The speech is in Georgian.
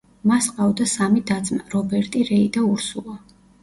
მას ჰყავდა სამი და-ძმა: რობერტი, რეი და ურსულა.